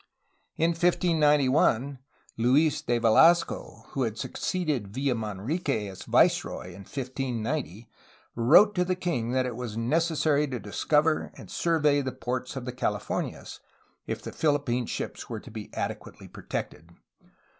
In 1591 Luis de Velasco, who had succeeded Villamanrique as viceroy in 1590, wrote to the king that it was necessary to discover and survey the ports of the Californias, if the Philippine ships were to be adequately protected.